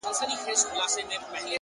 هره ناکامي د نوې هڅې دروازه ده’